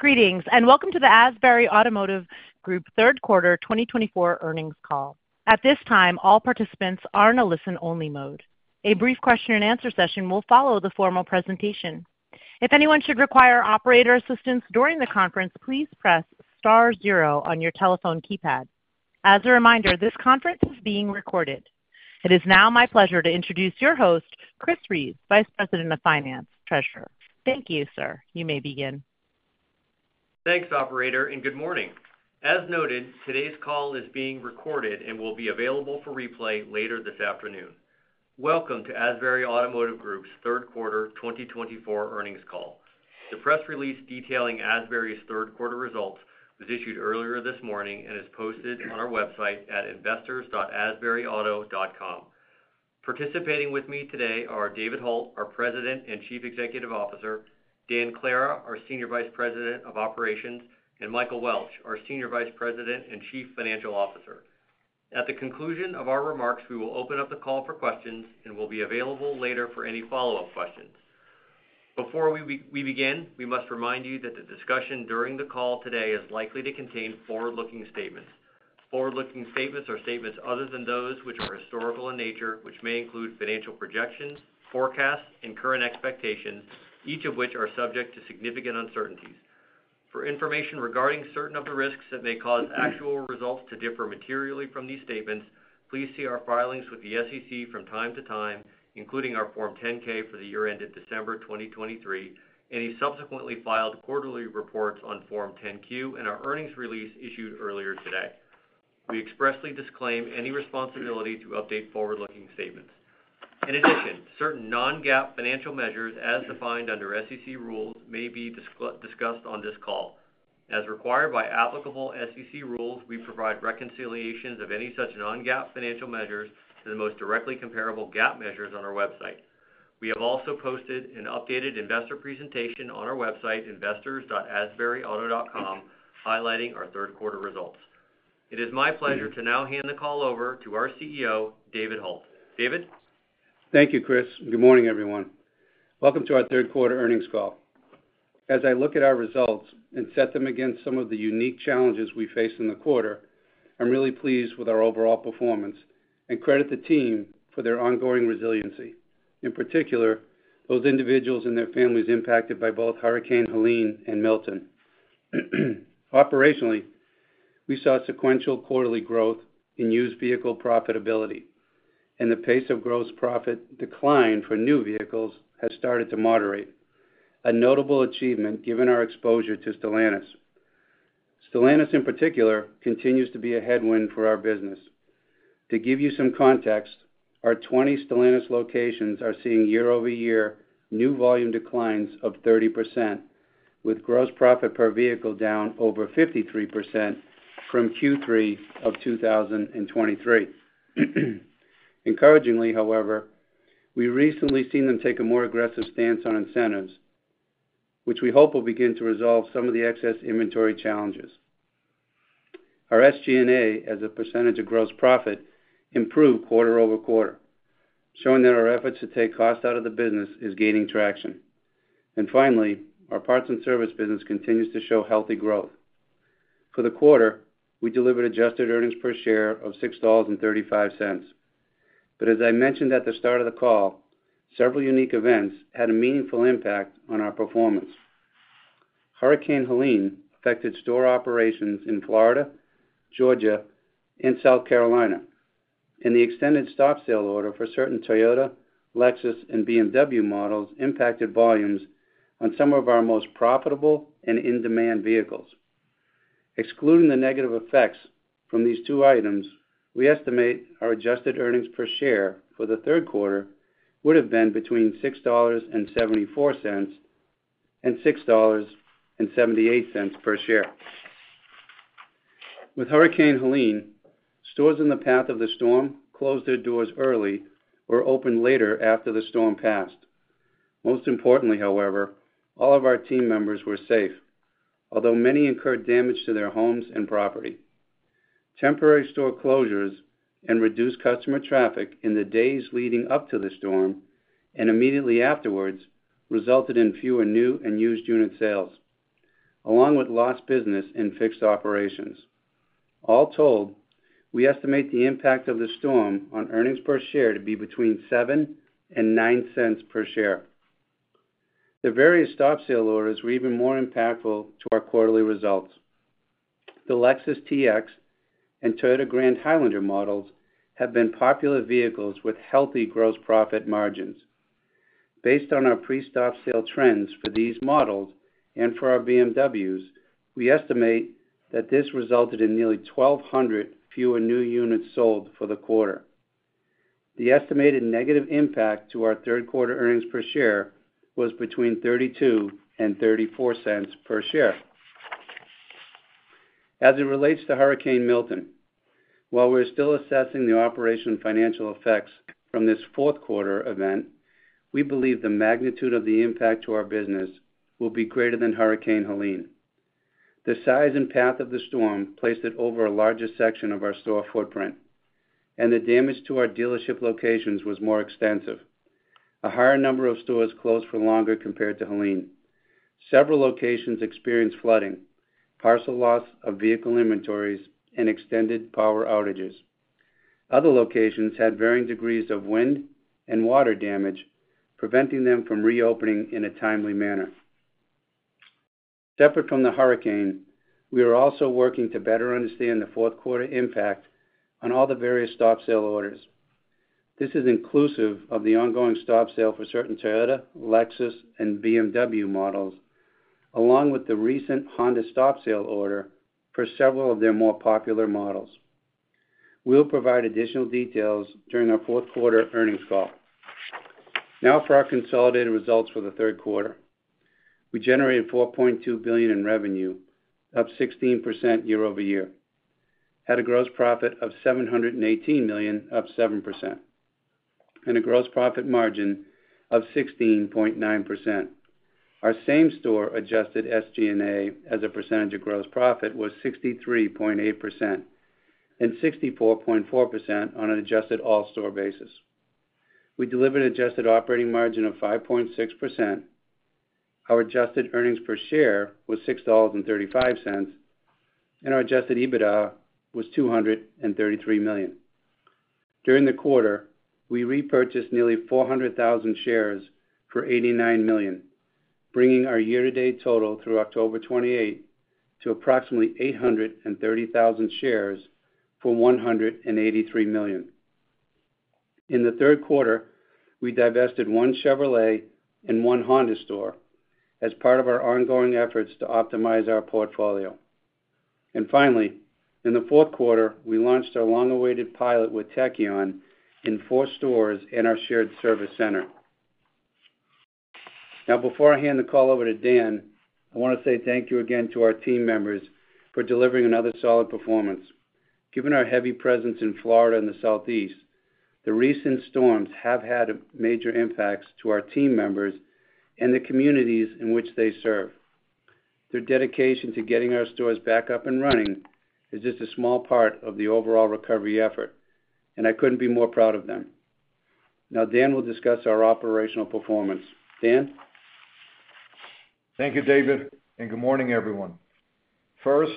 Greetings, and welcome to the Asbury Automotive Group third quarter 2024 earnings call. At this time, all participants are in a listen-only mode. A brief question-and-answer session will follow the formal presentation. If anyone should require operator assistance during the conference, please press star zero on your telephone keypad. As a reminder, this conference is being recorded. It is now my pleasure to introduce your host, Chris Reeves, Vice President of Finance, Treasurer. Thank you, sir. You may begin. Thanks, operator, and good morning. As noted, today's call is being recorded and will be available for replay later this afternoon. Welcome to Asbury Automotive Group's third quarter 2024 earnings call. The press release detailing Asbury's third quarter results was issued earlier this morning and is posted on our website at investors.asburyauto.com. Participating with me today are David Hult, our President and Chief Executive Officer, Dan Clara, our Senior Vice President of Operations, and Michael Welch, our Senior Vice President and Chief Financial Officer. At the conclusion of our remarks, we will open up the call for questions and will be available later for any follow-up questions. Before we begin, we must remind you that the discussion during the call today is likely to contain forward-looking statements. Forward-looking statements are statements other than those which are historical in nature, which may include financial projections, forecasts, and current expectations, each of which are subject to significant uncertainties. For information regarding certain of the risks that may cause actual results to differ materially from these statements, please see our filings with the SEC from time to time, including our Form 10-K for the year ended December 2023, any subsequently filed quarterly reports on Form 10-Q, and our earnings release issued earlier today. We expressly disclaim any responsibility to update forward-looking statements. In addition, certain non-GAAP financial measures, as defined under SEC rules, may be discussed on this call. As required by applicable SEC rules, we provide reconciliations of any such non-GAAP financial measures to the most directly comparable GAAP measures on our website. We have also posted an updated investor presentation on our website, investors.asburyauto.com, highlighting our third quarter results. It is my pleasure to now hand the call over to our CEO, David Hult. David? Thank you, Chris. Good morning, everyone. Welcome to our third quarter earnings call. As I look at our results and set them against some of the unique challenges we faced in the quarter, I'm really pleased with our overall performance and credit the team for their ongoing resiliency, in particular those individuals and their families impacted by both Hurricane Helene and Milton. Operationally, we saw sequential quarterly growth in used vehicle profitability, and the pace of gross profit decline for new vehicles has started to moderate, a notable achievement given our exposure to Stellantis. Stellantis, in particular, continues to be a headwind for our business. To give you some context, our 20 Stellantis locations are seeing year-over-year new volume declines of 30%, with gross profit per vehicle down over 53% from Q3 of 2023. Encouragingly, however, we've recently seen them take a more aggressive stance on incentives, which we hope will begin to resolve some of the excess inventory challenges. Our SG&A, as a percentage of gross profit, improved quarter-over-quarter, showing that our efforts to take cost out of the business is gaining traction. And finally, our parts and service business continues to show healthy growth. For the quarter, we delivered adjusted earnings per share of $6.35. But as I mentioned at the start of the call, several unique events had a meaningful impact on our performance. Hurricane Helene affected store operations in Florida, Georgia, and South Carolina, and the extended stop sale order for certain Toyota, Lexus, and BMW models impacted volumes on some of our most profitable and in-demand vehicles. Excluding the negative effects from these two items, we estimate our adjusted earnings per share for the third quarter would have been between $6.74 and $6.78 per share. With Hurricane Helene, stores in the path of the storm closed their doors early or opened later after the storm passed. Most importantly, however, all of our team members were safe, although many incurred damage to their homes and property. Temporary store closures and reduced customer traffic in the days leading up to the storm and immediately afterwards resulted in fewer new and used unit sales, along with lost business and fixed operations. All told, we estimate the impact of the storm on earnings per share to be between $0.07 and $0.09 per share. The various stop sale orders were even more impactful to our quarterly results. The Lexus TX and Toyota Grand Highlander models have been popular vehicles with healthy gross profit margins. Based on our pre-stop sale trends for these models and for our BMWs, we estimate that this resulted in nearly 1,200 fewer new units sold for the quarter. The estimated negative impact to our third quarter earnings per share was between $0.32 and $0.34 per share. As it relates to Hurricane Milton, while we're still assessing the operational financial effects from this fourth quarter event, we believe the magnitude of the impact to our business will be greater than Hurricane Helene. The size and path of the storm placed it over a larger section of our store footprint, and the damage to our dealership locations was more extensive. A higher number of stores closed for longer compared to Helene. Several locations experienced flooding, partial loss of vehicle inventories, and extended power outages. Other locations had varying degrees of wind and water damage, preventing them from reopening in a timely manner. Separate from the hurricane, we are also working to better understand the fourth quarter impact on all the various stop sale orders. This is inclusive of the ongoing stop sale for certain Toyota, Lexus, and BMW models, along with the recent Honda stop sale order for several of their more popular models. We'll provide additional details during our fourth quarter earnings call. Now for our consolidated results for the third quarter. We generated $4.2 billion in revenue, up 16% year-over-year, had a gross profit of $718 million, up 7%, and a gross profit margin of 16.9%. Our same store adjusted SG&A as a percentage of gross profit was 63.8% and 64.4% on an adjusted all-store basis. We delivered an adjusted operating margin of 5.6%. Our adjusted earnings per share was $6.35, and our adjusted EBITDA was $233 million. During the quarter, we repurchased nearly 400,000 shares for $89 million, bringing our year-to-date total through October 28 to approximately 830,000 shares for $183 million. In the third quarter, we divested one Chevrolet and one Honda store as part of our ongoing efforts to optimize our portfolio, and finally, in the fourth quarter, we launched our long-awaited pilot with Tekion in four stores and our shared service center. Now, before I hand the call over to Dan, I want to say thank you again to our team members for delivering another solid performance. Given our heavy presence in Florida and the Southeast, the recent storms have had major impacts to our team members and the communities in which they serve. Their dedication to getting our stores back up and running is just a small part of the overall recovery effort, and I couldn't be more proud of them. Now, Dan will discuss our operational performance. Dan? Thank you, David, and good morning, everyone. First,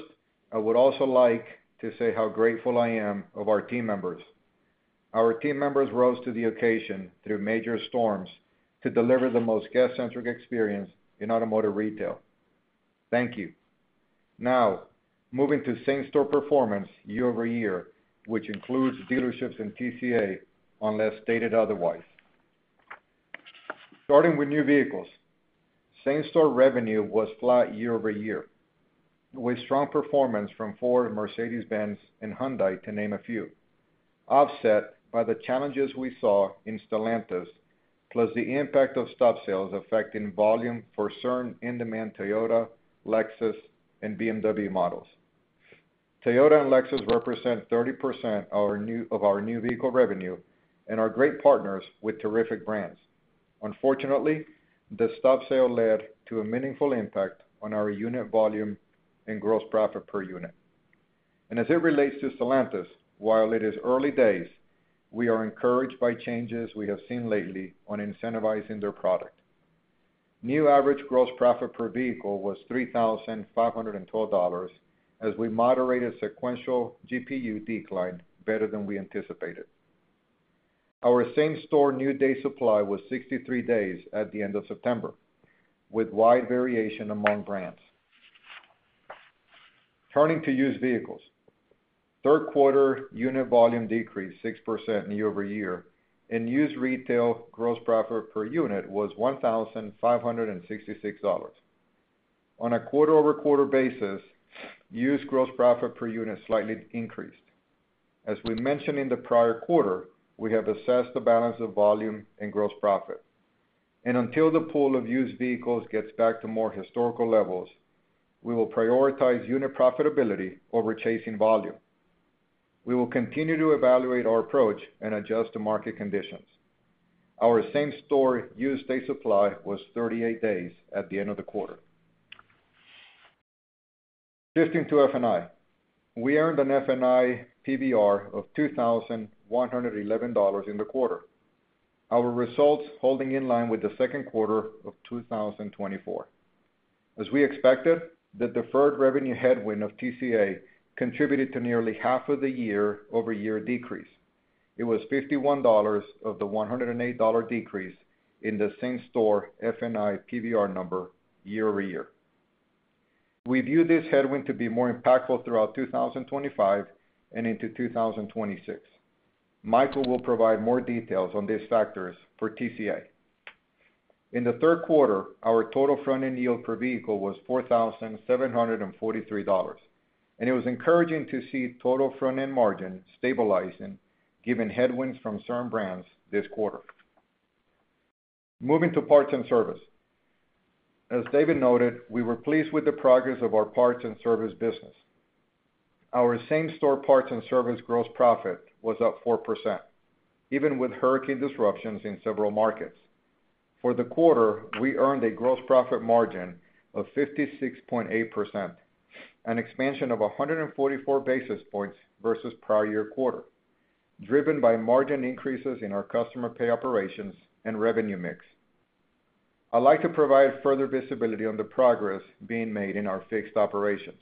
I would also like to say how grateful I am of our team members. Our team members rose to the occasion through major storms to deliver the most guest-centric experience in automotive retail. Thank you. Now, moving to same-store performance year-over-year, which includes dealerships and TCA, unless stated otherwise. Starting with new vehicles, same-store revenue was flat year-over-year, with strong performance from Ford, Mercedes-Benz, and Hyundai, to name a few, offset by the challenges we saw in Stellantis, plus the impact of stop sales affecting volume for certain in-demand Toyota, Lexus, and BMW models. Toyota and Lexus represent 30% of our new vehicle revenue and are great partners with terrific brands. Unfortunately, the stop sale led to a meaningful impact on our unit volume and gross profit per unit. And as it relates to Stellantis, while it is early days, we are encouraged by changes we have seen lately on incentivizing their product. New average gross profit per vehicle was $3,512 as we moderated sequential GPU decline better than we anticipated. Our same-store new-day supply was 63 days at the end of September, with wide variation among brands. Turning to used vehicles, third-quarter unit volume decreased 6% year-over-year, and used retail gross profit per unit was $1,566. On a quarter-over-quarter basis, used gross profit per unit slightly increased. As we mentioned in the prior quarter, we have assessed the balance of volume and gross profit. And until the pool of used vehicles gets back to more historical levels, we will prioritize unit profitability over chasing volume. We will continue to evaluate our approach and adjust to market conditions. Our same-store used-day supply was 38 days at the end of the quarter. Shifting to F&I, we earned an F&I PVR of $2,111 in the quarter, our results holding in line with the second quarter of 2024. As we expected, the deferred revenue headwind of TCA contributed to nearly half of the year-over-year decrease. It was $51 of the $108 decrease in the same-store F&I PVR number year-over-year. We view this headwind to be more impactful throughout 2025 and into 2026. Michael will provide more details on these factors for TCA. In the third quarter, our total front-end yield per vehicle was $4,743, and it was encouraging to see total front-end margin stabilizing given headwinds from certain brands this quarter. Moving to parts and service. As David noted, we were pleased with the progress of our parts and service business. Our same-store parts and service gross profit was up 4%, even with hurricane disruptions in several markets. For the quarter, we earned a gross profit margin of 56.8%, an expansion of 144 basis points versus prior year quarter, driven by margin increases in our customer pay operations and revenue mix. I'd like to provide further visibility on the progress being made in our fixed operations.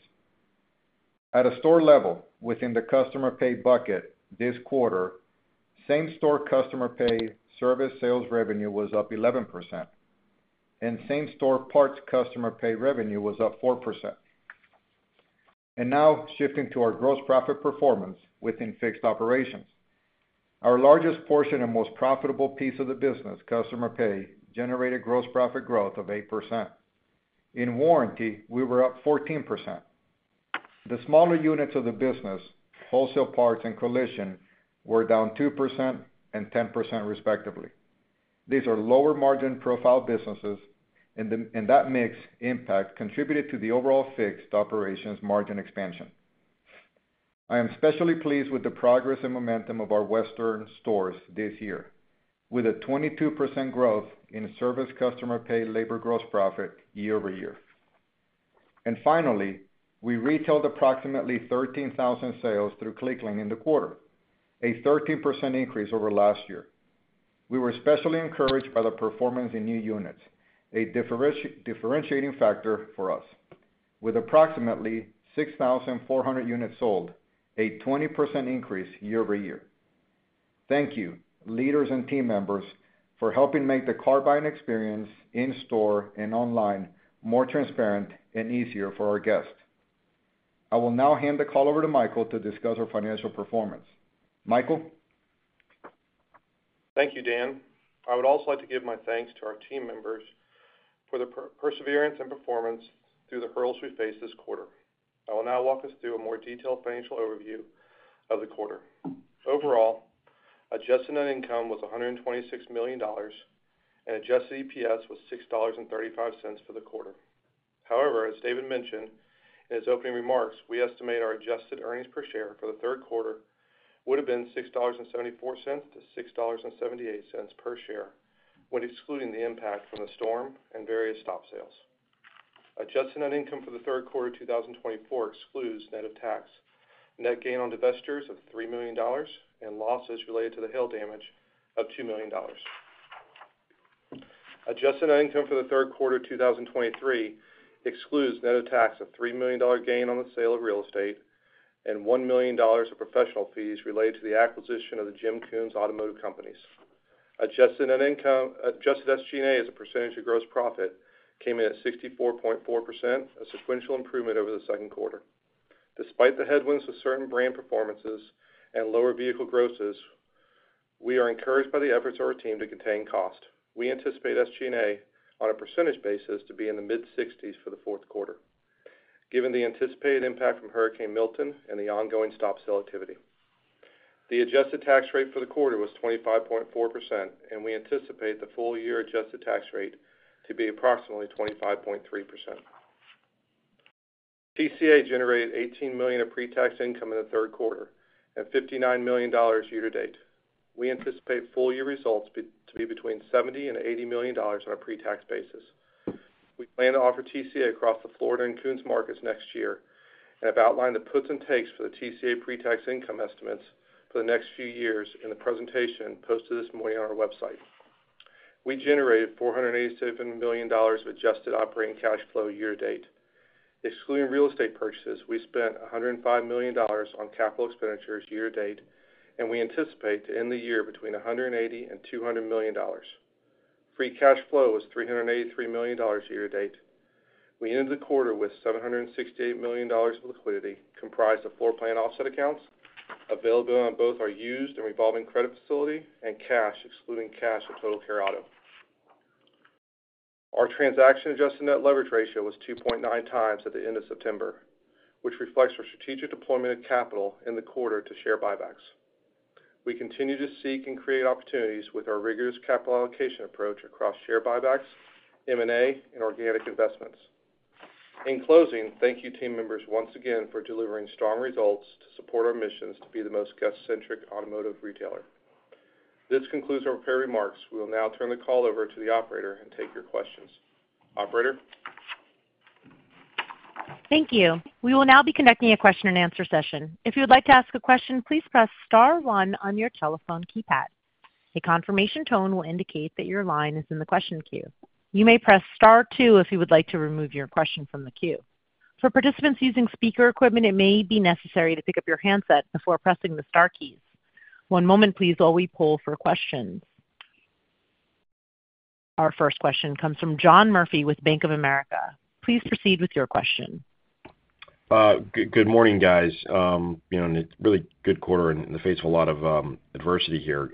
At a store level, within the customer pay bucket this quarter, same-store customer pay service sales revenue was up 11%, and same-store parts customer pay revenue was up 4%, and now, shifting to our gross profit performance within fixed operations. Our largest portion and most profitable piece of the business, customer pay, generated gross profit growth of 8%. In warranty, we were up 14%. The smaller units of the business, wholesale parts and collision, were down 2% and 10%, respectively. These are lower margin profile businesses, and that mix impact contributed to the overall fixed operations margin expansion. I am especially pleased with the progress and momentum of our Western stores this year, with a 22% growth in service customer pay labor gross profit year-over-year. And finally, we retailed approximately 13,000 sales through Clicklane in the quarter, a 13% increase over last year. We were especially encouraged by the performance in new units, a differentiating factor for us, with approximately 6,400 units sold, a 20% increase year-over-year. Thank you, leaders and team members, for helping make the car buying experience in store and online more transparent and easier for our guests. I will now hand the call over to Michael to discuss our financial performance. Michael? Thank you, Dan. I would also like to give my thanks to our team members for the perseverance and performance through the hurdles we faced this quarter. I will now walk us through a more detailed financial overview of the quarter. Overall, adjusted net income was $126 million, and adjusted EPS was $6.35 for the quarter. However, as David mentioned in his opening remarks, we estimate our adjusted earnings per share for the third quarter would have been $6.74-$6.78 per share when excluding the impact from the storm and various stop sales. Adjusted net income for the third quarter of 2024 excludes net of tax net gain on divestitures of $3 million and losses related to the hail damage of $2 million. Adjusted net income for the third quarter of 2023 excludes, net of tax, a $3 million gain on the sale of real estate and $1 million of professional fees related to the acquisition of the Jim Koons Automotive Companies. Adjusted SG&A as a percentage of gross profit came in at 64.4%, a sequential improvement over the second quarter. Despite the headwinds with certain brand performances and lower vehicle grosses, we are encouraged by the efforts of our team to contain cost. We anticipate SG&A on a percentage basis to be in the mid-60s for the fourth quarter, given the anticipated impact from Hurricane Milton and the ongoing stop sale activity. The adjusted tax rate for the quarter was 25.4%, and we anticipate the full-year adjusted tax rate to be approximately 25.3%. TCA generated $18 million of pre-tax income in the third quarter and $59 million year-to-date. We anticipate full-year results to be between $70 and $80 million on a pre-tax basis. We plan to offer TCA across the Florida and Koons markets next year, and I've outlined the puts and takes for the TCA pre-tax income estimates for the next few years in the presentation posted this morning on our website. We generated $487 million of adjusted operating cash flow year-to-date. Excluding real estate purchases, we spent $105 million on capital expenditures year-to-date, and we anticipate to end the year between $180 million and $200 million. Free cash flow was $383 million year-to-date. We ended the quarter with $768 million of liquidity comprised of floor plan offset accounts available on both our used and revolving credit facility and cash, excluding cash for Total Care Auto. Our transaction adjusted net leverage ratio was 2.9x at the end of September, which reflects our strategic deployment of capital in the quarter to share buybacks. We continue to seek and create opportunities with our rigorous capital allocation approach across share buybacks, M&A, and organic investments. In closing, thank you team members once again for delivering strong results to support our missions to be the most guest-centric automotive retailer. This concludes our prepared remarks. We will now turn the call over to the operator and take your questions. Operator? Thank you. We will now be conducting a question-and-answer session. If you would like to ask a question, please press star one on your telephone keypad. A confirmation tone will indicate that your line is in the question queue. You may press star two if you would like to remove your question from the queue. For participants using speaker equipment, it may be necessary to pick up your handset before pressing the star keys. One moment, please, while we pull for questions. Our first question comes from John Murphy with Bank of America. Please proceed with your question. Good morning, guys. It's a really good quarter in the face of a lot of adversity here.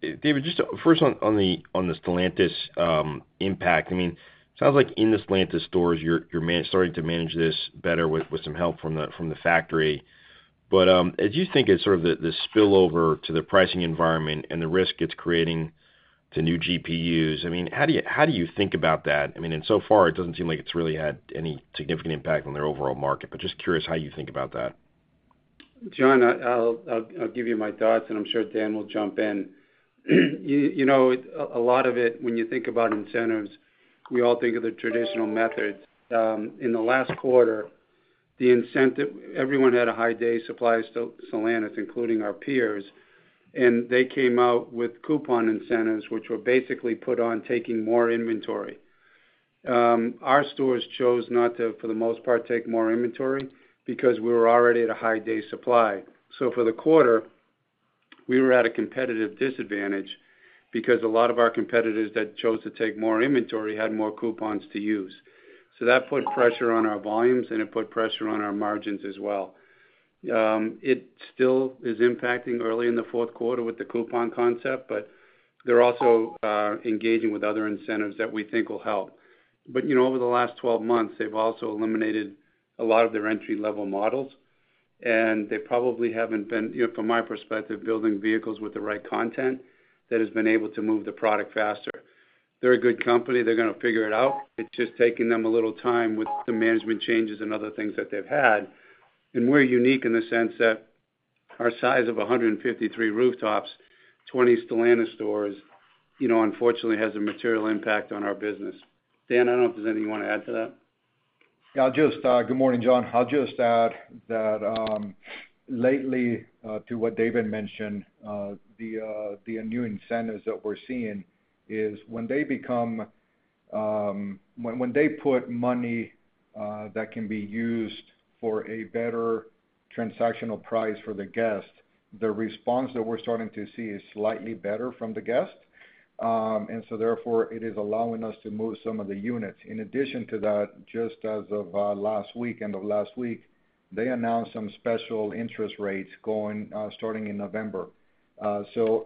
David, just first on the Stellantis impact, I mean, it sounds like in the Stellantis stores, you're starting to manage this better with some help from the factory. But as you think of sort of the spillover to the pricing environment and the risk it's creating to new GPUs, I mean, how do you think about that? I mean, and so far, it doesn't seem like it's really had any significant impact on their overall market, but just curious how you think about that. John, I'll give you my thoughts, and I'm sure Dan will jump in. A lot of it, when you think about incentives, we all think of the traditional methods. In the last quarter, everyone had a high day supply of Stellantis, including our peers, and they came out with coupon incentives, which were basically put on taking more inventory. Our stores chose not to, for the most part, take more inventory because we were already at a high day supply. So for the quarter, we were at a competitive disadvantage because a lot of our competitors that chose to take more inventory had more coupons to use. So that put pressure on our volumes, and it put pressure on our margins as well. It still is impacting early in the fourth quarter with the coupon concept, but they're also engaging with other incentives that we think will help. But over the last 12 months, they've also eliminated a lot of their entry-level models, and they probably haven't been, from my perspective, building vehicles with the right content that has been able to move the product faster. They're a good company. They're going to figure it out. It's just taking them a little time with the management changes and other things that they've had. And we're unique in the sense that our size of 153 rooftops, 20 Stellantis stores, unfortunately, has a material impact on our business. Dan, I don't know if there's anything you want to add to that. Yeah, good morning, John. I'll just add that lately, to what David mentioned, the new incentives that we're seeing is when they put money that can be used for a better transactional price for the guest, the response that we're starting to see is slightly better from the guest. And so therefore, it is allowing us to move some of the units. In addition to that, just as of last week, end of last week, they announced some special interest rates starting in November. So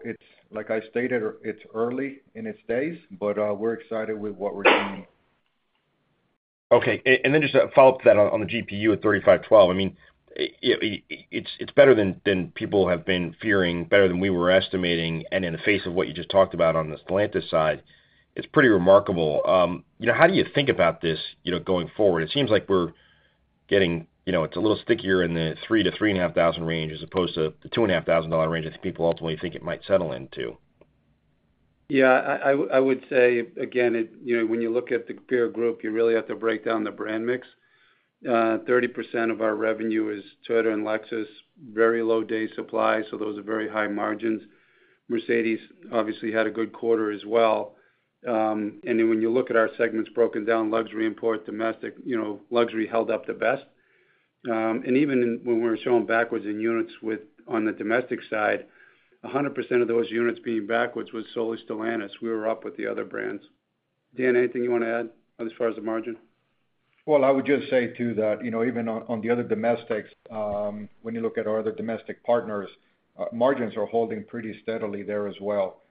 like I stated, it's early in its days, but we're excited with what we're seeing. Okay. And then just a follow-up to that on the GPU at $3,512. I mean, it's better than people have been fearing, better than we were estimating. And in the face of what you just talked about on the Stellantis side, it's pretty remarkable. How do you think about this going forward? It seems like it's getting a little stickier in the $3,000-$3,500 range as opposed to the $2,500 range that people ultimately think it might settle into. Yeah. I would say, again, when you look at the compare group, you really have to break down the brand mix. 30% of our revenue is Toyota and Lexus, very low day supply, so those are very high margins. Mercedes obviously had a good quarter as well. And then when you look at our segments broken down, luxury import, domestic, luxury held up the best. And even when we're showing backwards in units on the domestic side, 100% of those units being backwards was solely Stellantis. We were up with the other brands. Dan, anything you want to add as far as the margin? I would just say too that even on the other domestics, when you look at our other domestic partners, margins are holding pretty steadily there as well,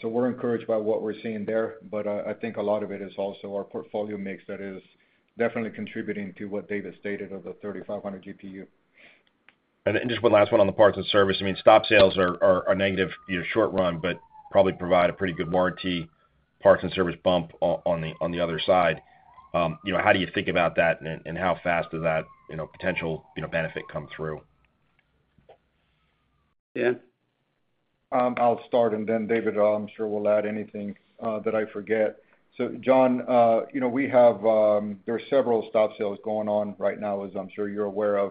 so we're encouraged by what we're seeing there, but I think a lot of it is also our portfolio mix that is definitely contributing to what David stated of the $3,500 GPU. And just one last one on the parts and service. I mean, stop sales are negative short run, but probably provide a pretty good warranty parts and service bump on the other side. How do you think about that, and how fast does that potential benefit come through? Yeah. I'll start, and then David, I'm sure will add anything that I forget. So John, there are several stop sales going on right now, as I'm sure you're aware of.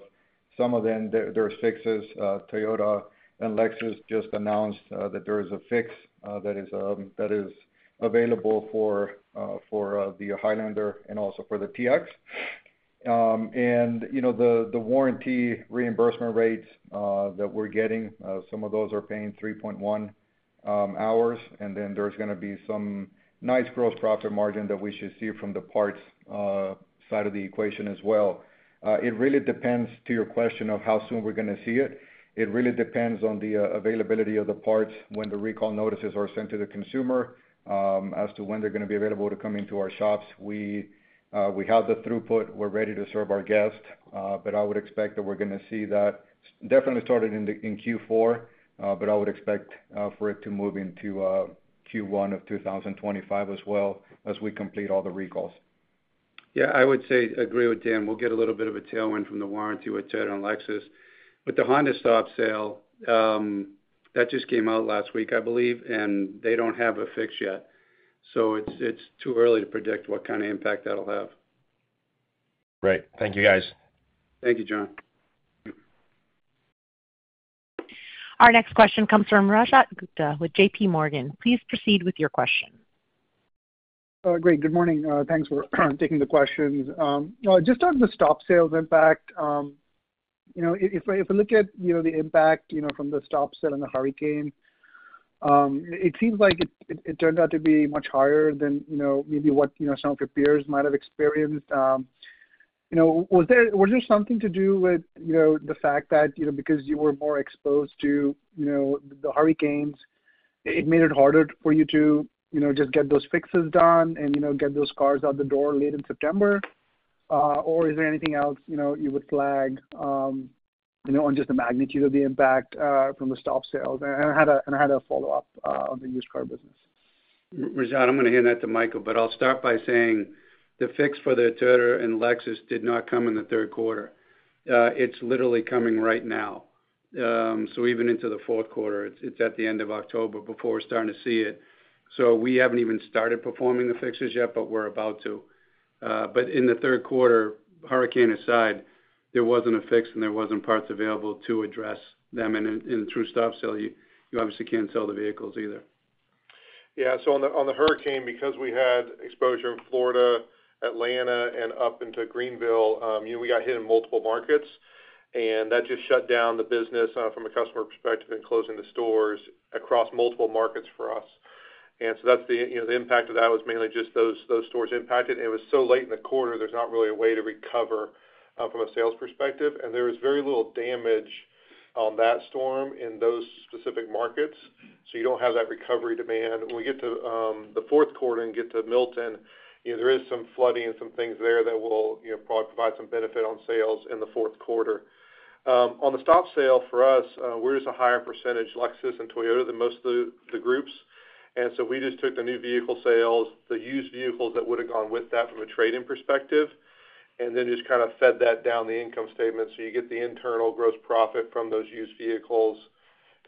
Some of them, there are fixes. Toyota and Lexus just announced that there is a fix that is available for the Highlander and also for the TX. And the warranty reimbursement rates that we're getting, some of those are paying 3.1 hours, and then there's going to be some nice gross profit margin that we should see from the parts side of the equation as well. It really depends on your question of how soon we're going to see it. It really depends on the availability of the parts when the recall notices are sent to the consumer as to when they're going to be available to come into our shops. We have the throughput. We're ready to serve our guests, but I would expect that we're going to see that definitely started in Q4, but I would expect for it to move into Q1 of 2025 as well as we complete all the recalls. Yeah, I would say agree with Dan. We'll get a little bit of a tailwind from the warranty with Toyota and Lexus. With the Honda stop sale, that just came out last week, I believe, and they don't have a fix yet. So it's too early to predict what kind of impact that'll have. Great. Thank you, guys. Thank you, John. Our next question comes from Rajat Gupta with JPMorgan. Please proceed with your question. Great. Good morning. Thanks for taking the questions. Just on the stop sales impact, if we look at the impact from the stop sale and the hurricane, it seems like it turned out to be much higher than maybe what some of your peers might have experienced. Was there something to do with the fact that because you were more exposed to the hurricanes, it made it harder for you to just get those fixes done and get those cars out the door late in September? Or is there anything else you would flag on just the magnitude of the impact from the stop sales? And I had a follow-up on the used car business. Rajat, I'm going to hand that to Michael, but I'll start by saying the fix for the Toyota and Lexus did not come in the third quarter. It's literally coming right now, so even into the fourth quarter, it's at the end of October before we're starting to see it, so we haven't even started performing the fixes yet, but we're about to, but in the third quarter, hurricane aside, there wasn't a fix, and there wasn't parts available to address them, and through stop sale, you obviously can't sell the vehicles either. Yeah. So on the hurricane, because we had exposure in Florida, Atlanta, and up into Greenville, we got hit in multiple markets, and that just shut down the business from a customer perspective and closing the stores across multiple markets for us, and so the impact of that was mainly just those stores impacted, and it was so late in the quarter, there's not really a way to recover from a sales perspective, and there was very little damage on that storm in those specific markets, so you don't have that recovery demand. When we get to the fourth quarter and get to Milton, there is some flooding and some things there that will probably provide some benefit on sales in the fourth quarter. On the stop sale for us, we're just a higher percentage, Lexus and Toyota, than most of the groups. And so we just took the new vehicle sales, the used vehicles that would have gone with that from a trading perspective, and then just kind of fed that down the income statement. So you get the internal gross profit from those used vehicles,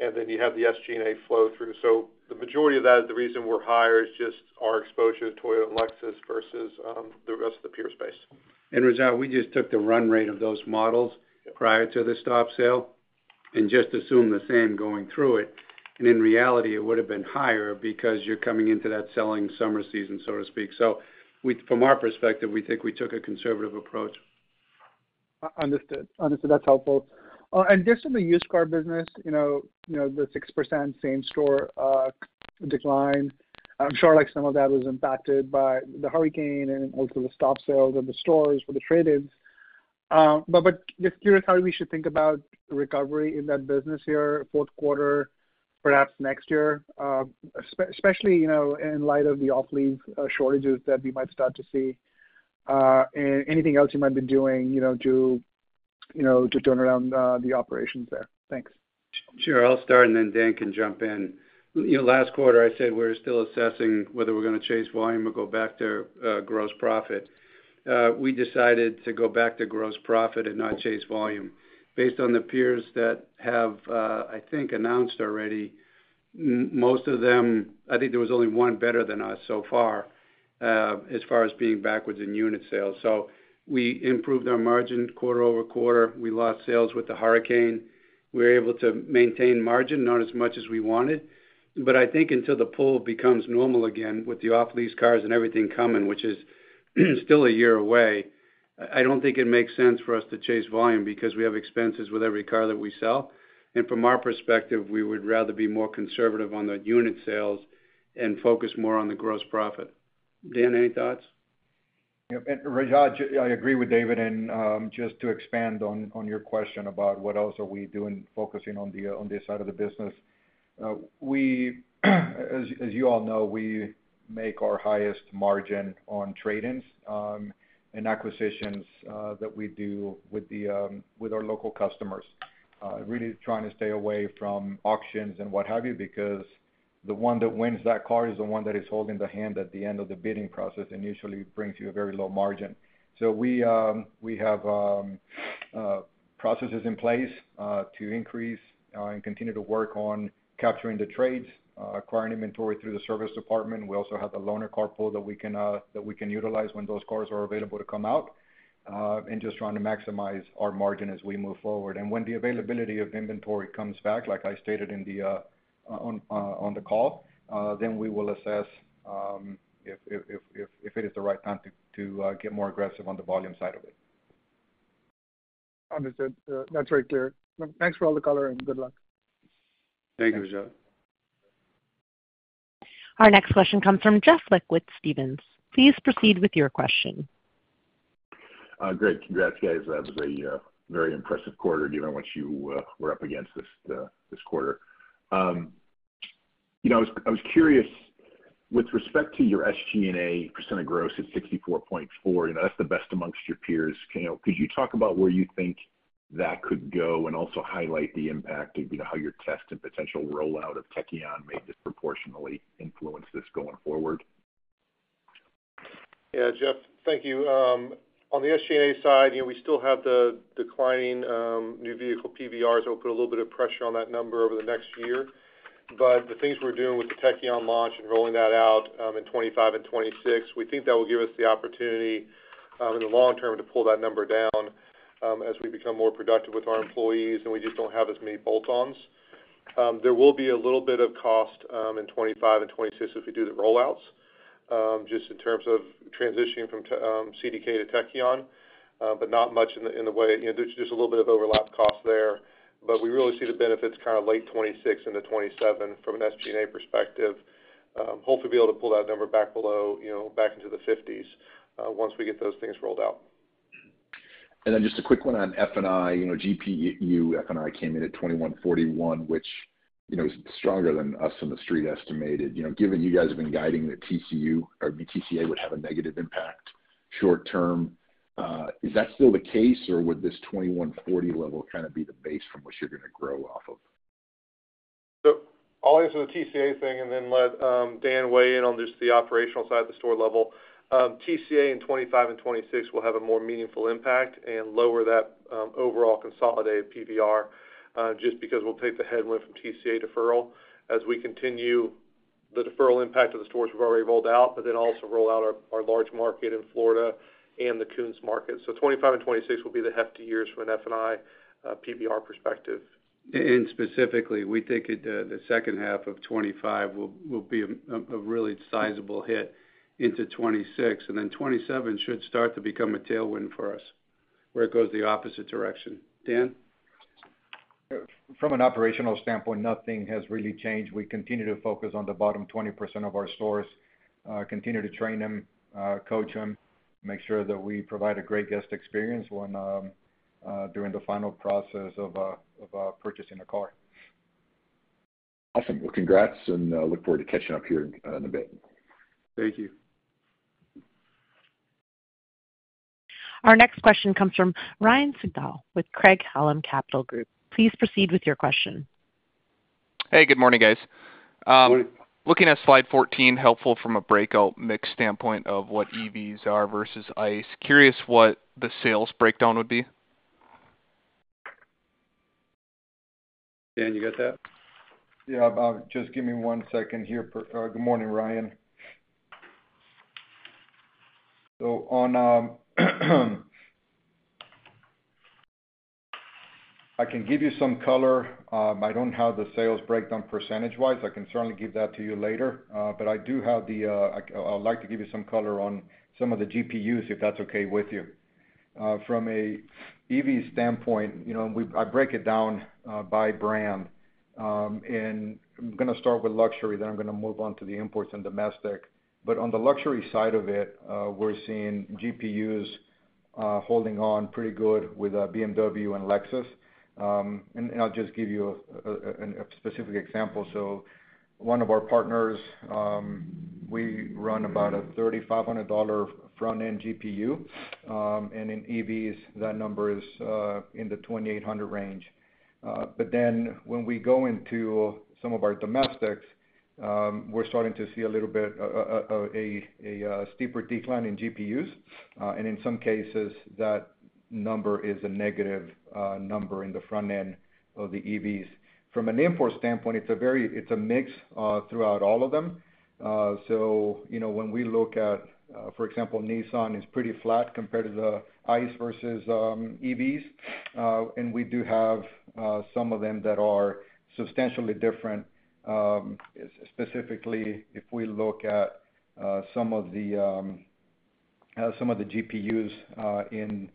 and then you have the SG&A flow through. So the majority of that is the reason we're higher is just our exposure to Toyota and Lexus versus the rest of the peer space. And Rajat, we just took the run rate of those models prior to the stop sale and just assumed the same going through it. And in reality, it would have been higher because you're coming into that selling summer season, so to speak. So from our perspective, we think we took a conservative approach. Understood. Understood. That's helpful, and just on the used car business, the 6% same store decline, I'm sure some of that was impacted by the hurricane and also the stop sales of the stores for the trade-ins. But just curious how we should think about recovery in that business here, fourth quarter, perhaps next year, especially in light of the off-lease shortages that we might start to see. Anything else you might be doing to turn around the operations there? Thanks. Sure. I'll start, and then Dan can jump in. Last quarter, I said we're still assessing whether we're going to chase volume or go back to gross profit. We decided to go back to gross profit and not chase volume. Based on the peers that have, I think, announced already, most of them, I think there was only one better than us so far as far as being backwards in unit sales. So we improved our margin quarter-over-quarter. We lost sales with the hurricane. We were able to maintain margin, not as much as we wanted, but I think until the pull becomes normal again with the off-lease cars and everything coming, which is still a year away, I don't think it makes sense for us to chase volume because we have expenses with every car that we sell. From our perspective, we would rather be more conservative on the unit sales and focus more on the gross profit. Dan, any thoughts? Yep. Rajat, I agree with David. Just to expand on your question about what else are we doing focusing on the side of the business, as you all know, we make our highest margin on trades and acquisitions that we do with our local customers. Really trying to stay away from auctions and what have you because the one that wins that car is the one that is holding the hammer at the end of the bidding process and usually brings you a very low margin. So we have processes in place to increase and continue to work on capturing the trades, acquiring inventory through the service department. We also have the loaner car pool that we can utilize when those cars are available to come out and just trying to maximize our margin as we move forward. When the availability of inventory comes back, like I stated on the call, then we will assess if it is the right time to get more aggressive on the volume side of it. Understood. That's very clear. Thanks for all the color and good luck. Thank you, Rajat. Our next question comes from Jeff Lick with Stephens. Please proceed with your question. Great. Congrats, guys. That was a very impressive quarter, given what you were up against this quarter. I was curious, with respect to your SG&A percent of gross at 64.4%, that's the best amongst your peers. Could you talk about where you think that could go and also highlight the impact of how your test and potential rollout of Tekion may disproportionately influence this going forward? Yeah, Jeff, thank you. On the SG&A side, we still have the declining new vehicle PVRs. It will put a little bit of pressure on that number over the next year. But the things we're doing with the Tekion launch and rolling that out in 2025 and 2026, we think that will give us the opportunity in the long term to pull that number down as we become more productive with our employees, and we just don't have as many bolt-ons. There will be a little bit of cost in 2025 and 2026 as we do the rollouts, just in terms of transitioning from CDK to Tekion, but not much in the way just a little bit of overlap cost there. But we really see the benefits kind of late 2026 into 2027 from an SG&A perspective. Hopefully, we'll be able to pull that number back into the 50s once we get those things rolled out. Then just a quick one on F&I. GPU F&I came in at $2,141, which is stronger than what the Street estimated. Given you guys have been guiding that TCA would have a negative impact short term. Is that still the case, or would this $2,140 level kind of be the base from which you're going to grow off of? I'll answer the TCA thing and then let Dan weigh in on just the operational side of the store level. TCA in 2025 and 2026 will have a more meaningful impact and lower that overall consolidated PVR just because we'll take the headwind from TCA deferral as we continue the deferral impact of the stores we've already rolled out, but then also roll out our large market in Florida and the Koons market. 2025 and 2026 will be the hefty years from an F&I PVR perspective. And specifically, we think the second half of 2025 will be a really sizable hit into 2026. And then 2027 should start to become a tailwind for us, where it goes the opposite direction. Dan? From an operational standpoint, nothing has really changed. We continue to focus on the bottom 20% of our stores, continue to train them, coach them, make sure that we provide a great guest experience during the final process of purchasing a car. Awesome. Well, congrats, and look forward to catching up here in a bit. Thank you. Our next question comes from Ryan Sigdahl with Craig-Hallum Capital Group. Please proceed with your question. Hey, good morning, guys. Looking at slide 14, helpful from a breakout mix standpoint of what EVs are versus ICE. Curious what the sales breakdown would be? Dan, you got that? Yeah. Just give me one second here. Good morning, Ryan. So I can give you some color. I don't have the sales breakdown percentage-wise. I can certainly give that to you later. But I do have the. I'd like to give you some color on some of the GPUs, if that's okay with you. From an EV standpoint, I break it down by brand. And I'm going to start with luxury. Then I'm going to move on to the imports and domestic. But on the luxury side of it, we're seeing GPUs holding on pretty good with BMW and Lexus. And I'll just give you a specific example. So one of our partners, we run about a $3,500 front-end GPU. And in EVs, that number is in the $2,800 range. But then when we go into some of our domestics, we're starting to see a little bit of a steeper decline in GPUs. And in some cases, that number is a negative number in the front-end of the EVs. From an import standpoint, it's a mix throughout all of them. So when we look at, for example, Nissan is pretty flat compared to the ICE versus EVs. And we do have some of them that are substantially different. Specifically, if we look at some of the GPUs in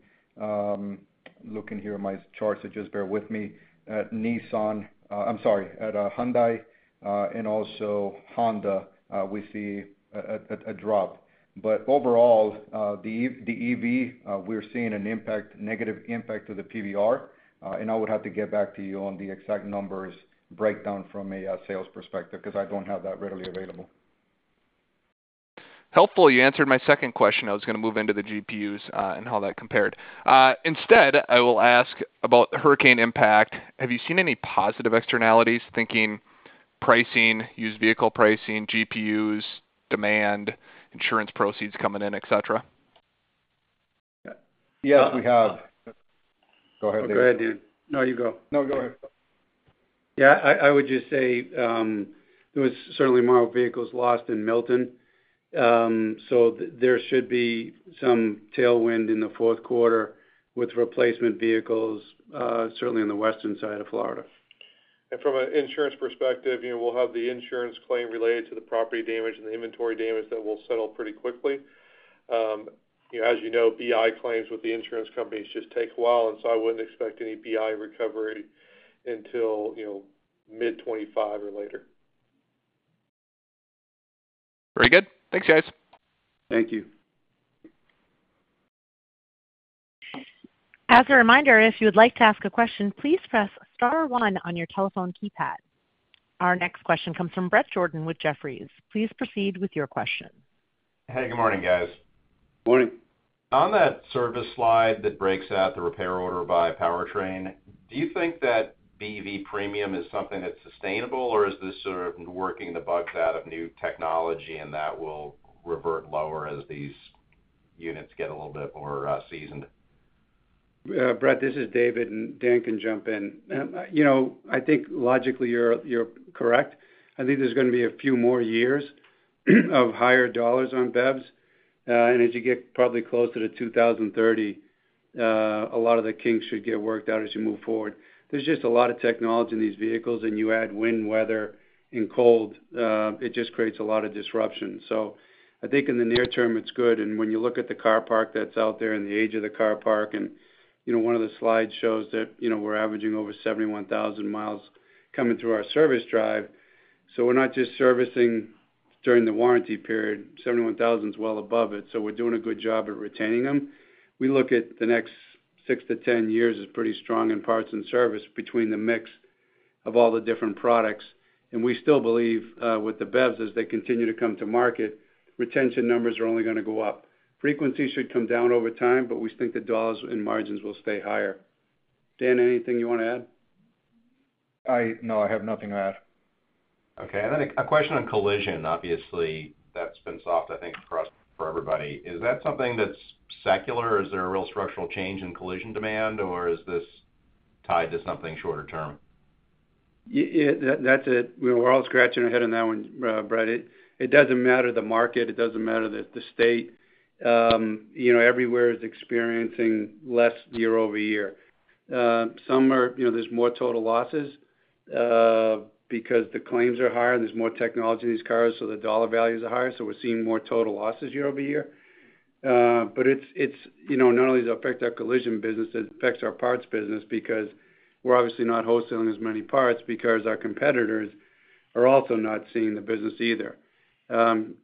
looking here at my chart, so just bear with me, at Nissan I'm sorry, at Hyundai and also Honda, we see a drop. But overall, the EV, we're seeing a negative impact to the PVR. And I would have to get back to you on the exact numbers breakdown from a sales perspective because I don't have that readily available. Helpful. You answered my second question. I was going to move into the GPUs and how that compared. Instead, I will ask about the hurricane impact. Have you seen any positive externalities? Thinking pricing, used vehicle pricing, GPUs, demand, insurance proceeds coming in, etc.? Yeah. We have. Go ahead, David. Go ahead, Dan. No, you go. No, go ahead. Yeah. I would just say there was certainly more vehicles lost in Milton. So there should be some tailwind in the fourth quarter with replacement vehicles, certainly on the western side of Florida. From an insurance perspective, we'll have the insurance claim related to the property damage and the inventory damage that will settle pretty quickly. As you know, BI claims with the insurance companies just take a while, so I wouldn't expect any BI recovery until mid-2025 or later. Very good. Thanks, guys. Thank you. As a reminder, if you would like to ask a question, please press star one on your telephone keypad. Our next question comes from Bret Jordan with Jefferies. Please proceed with your question. Hey, good morning, guys. Good morning. On that service slide that breaks out the repair order by powertrain, do you think that BEV premium is something that's sustainable, or is this sort of working the bugs out of new technology and that will revert lower as these units get a little bit more seasoned? Bret, this is David, and Dan can jump in. I think logically, you're correct. I think there's going to be a few more years of higher dollars on BEVs, and as you get probably closer to 2030, a lot of the kinks should get worked out as you move forward. There's just a lot of technology in these vehicles, and you add wind, weather, and cold. It just creates a lot of disruption, so I think in the near term, it's good, and when you look at the car park that's out there and the age of the car park, and one of the slides shows that we're averaging over 71,000 mi coming through our service drive, so we're not just servicing during the warranty period. 71,000 mi is well above it, so we're doing a good job at retaining them. We look at the next six to 10 years as pretty strong in parts and service between the mix of all the different products. And we still believe with the BEVs, as they continue to come to market, retention numbers are only going to go up. Frequency should come down over time, but we think the dollars and margins will stay higher. Dan, anything you want to add? No, I have nothing to add. Okay, and then a question on collision, obviously, that's been soft, I think, for everybody. Is that something that's secular? Is there a real structural change in collision demand, or is this tied to something shorter term? Yeah, that's it. We're all scratching our head on that one, Brett. It doesn't matter the market. It doesn't matter the state. Everywhere is experiencing less year-over-year. Somewhere, there's more total losses because the claims are higher and there's more technology in these cars, so the dollar values are higher. So we're seeing more total losses year-over-year. But it's not only does it affect our collision business, it affects our parts business because we're obviously not wholesaling as many parts because our competitors are also not seeing the business either.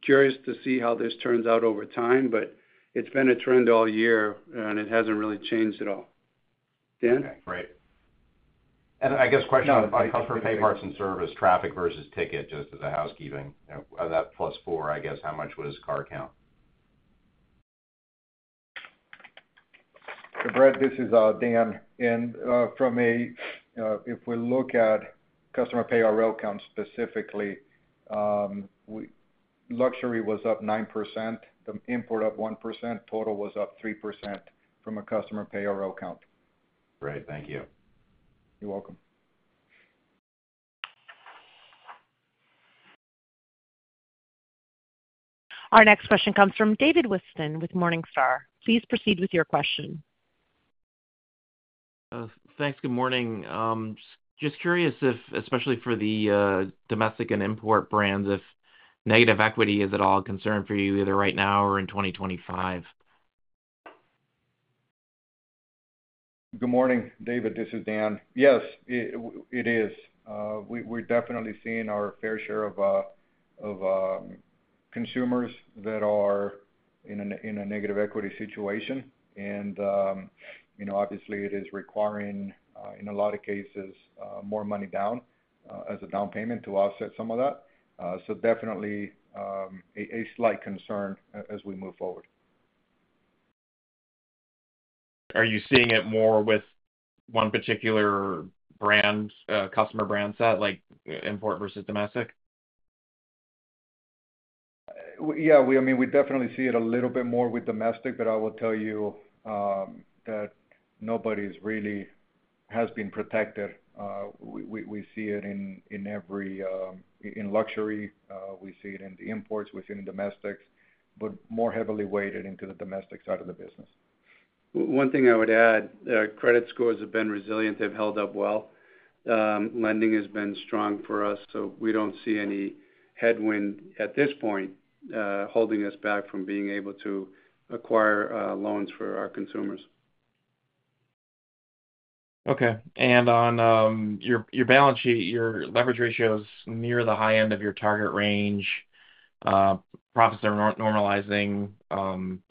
Curious to see how this turns out over time, but it's been a trend all year, and it hasn't really changed at all. Dan? Okay. Great. And I guess question on customer pay parts and service, traffic versus ticket, just as a housekeeping. That plus four, I guess, how much would his car count? Brett, this is Dan. From a, if we look at customer pay RO count specifically, luxury was up 9%, the import up 1%, total was up 3% from a customer pay RO count. Great. Thank you. You're welcome. Our next question comes from David Whiston with Morningstar. Please proceed with your question. Thanks. Good morning. Just curious if, especially for the domestic and import brands, if negative equity is at all a concern for you either right now or in 2025? Good morning. David, this is Dan. Yes, it is. We're definitely seeing our fair share of consumers that are in a negative equity situation. And obviously, it is requiring, in a lot of cases, more money down as a down payment to offset some of that. So definitely a slight concern as we move forward. Are you seeing it more with one particular customer brand set, like import versus domestic? Yeah. I mean, we definitely see it a little bit more with domestic, but I will tell you that nobody really has been protected. We see it in luxury. We see it in the imports. We see it in domestics, but more heavily weighted into the domestic side of the business. One thing I would add, credit scores have been resilient. They've held up well. Lending has been strong for us. So we don't see any headwind at this point holding us back from being able to acquire loans for our consumers. Okay. And on your balance sheet, your leverage ratio is near the high end of your target range. Profits are normalizing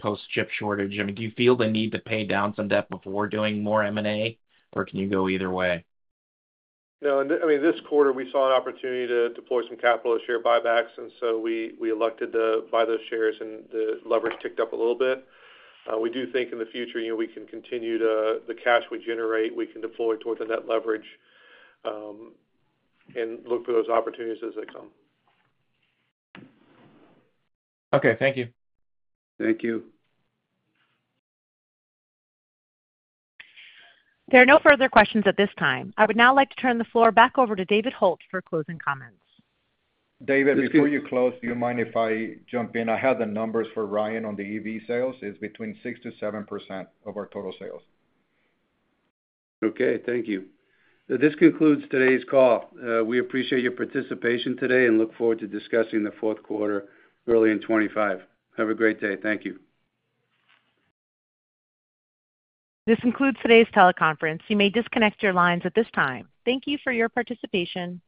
post-chip shortage. I mean, do you feel the need to pay down some debt before doing more M&A, or can you go either way? No. I mean, this quarter, we saw an opportunity to deploy some capital or share buybacks, and so we elected to buy those shares, and the leverage ticked up a little bit. We do think in the future, we can continue to the cash we generate, we can deploy towards the net leverage and look for those opportunities as they come. Okay. Thank you. Thank you. There are no further questions at this time. I would now like to turn the floor back over to David Hult for closing comments. David, before you close, do you mind if I jump in? I have the numbers for Ryan on the EV sales. It's between 6%-7% of our total sales. Okay. Thank you. This concludes today's call. We appreciate your participation today and look forward to discussing the fourth quarter early in 2025. Have a great day. Thank you. This concludes today's teleconference. You may disconnect your lines at this time. Thank you for your participation.